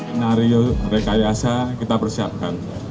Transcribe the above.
sinario rekayasa kita persiapkan